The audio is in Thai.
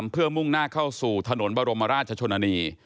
เพื่อมุ่งหน้าเข้าสู่ถนนบรมราชชนนานี